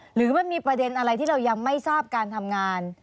หรือมันมีประเด็นอะไรที่เรายังไม่ทราบการทำงาน